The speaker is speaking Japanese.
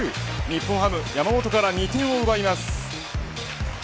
日本ハム、山本から２点を奪います。